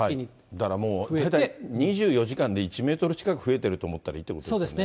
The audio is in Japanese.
だからもう２４時間で１メートル近く増えてると思ったらいいっていうことですね。